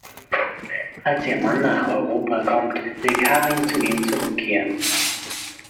Als ihr Mann nach Europa kommt, will Karin zu ihm zurückkehren.